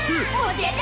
「教えて」